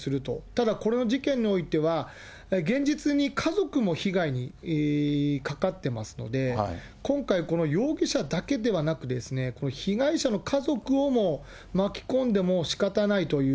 ただこの事件においては、現実に家族も被害にかかってますので、今回、この容疑者だけではなく、この被害者の家族をも巻き込んでもしかたないという、